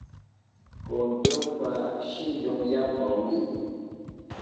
Kuntrupa shillun yapa wilu